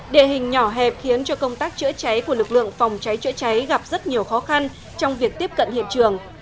địa hình nhỏ hẹp khiến cho công tác chữa cháy của lực lượng phòng cháy chữa cháy gặp rất nhiều khó khăn trong việc tiếp cận hiện trường